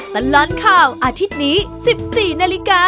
ตลอดข่าวอาทิตย์นี้๑๔น